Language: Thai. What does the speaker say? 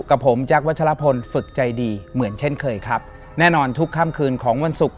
กับผมแจ๊ควัชลพลฝึกใจดีเหมือนเช่นเคยครับแน่นอนทุกค่ำคืนของวันศุกร์